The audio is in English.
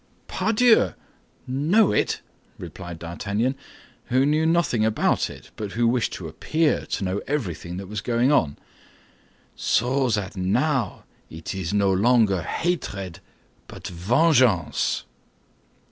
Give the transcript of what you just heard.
"Pardieu! Know it!" replied D'Artagnan, who knew nothing about it, but who wished to appear to know everything that was going on. "So that now it is no longer hatred, but vengeance."